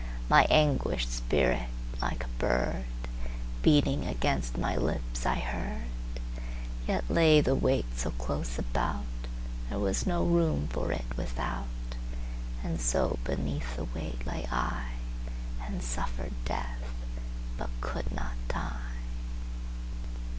My anguished spirit, like a bird, Beating against my lips I heard; Yet lay the weight so close aboutThere was no room for it without. And so beneath the weight lay IAnd suffered death, but could not die.